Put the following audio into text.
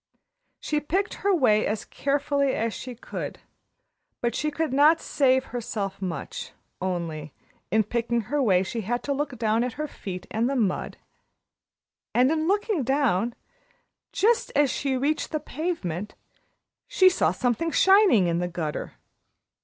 She picked her way as carefully as she could, but she could not save herself much, only, in picking her way she had to look down at her feet and the mud, and in looking down just as she reached the pavement she saw something shining in the gutter.